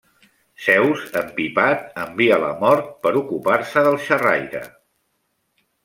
Zeus empipat envia la Mort per ocupar-se del xerraire.